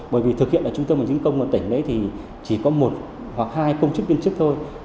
bởi vì thực hiện ở trung tâm và những công ngân tỉnh đấy thì chỉ có một hoặc hai công chức viên chức thôi